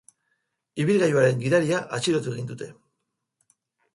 Ibilgailuaren gidaria atxilotu egin dute.